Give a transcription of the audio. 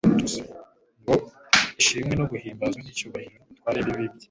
ngo :« Ishimwe no, guhimbazwa n'icyubahiro n'ubutware bibe